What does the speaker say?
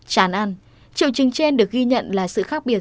chán ăn triệu chứng trên được ghi nhận là sự khác biệt